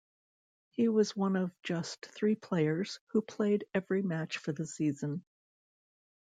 He was one of just three players who played every match for the season.